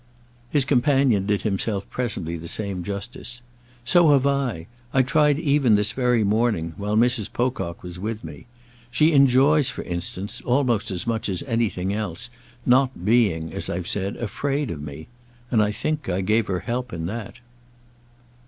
His companion did himself presently the same justice. "So have I. I tried even this very morning—while Mrs. Pocock was with me. She enjoys for instance, almost as much as anything else, not being, as I've said, afraid of me; and I think I gave her help in that."